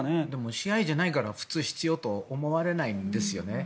試合じゃないから普通、必要と思われないんですよね。